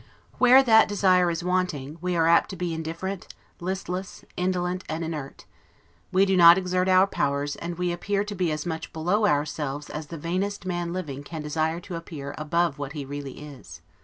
Where that desire is wanting, we are apt to be indifferent, listless, indolent, and inert; we do not exert our powers; and we appear to be as much below ourselves as the vainest man living can desire to appear above what he really is.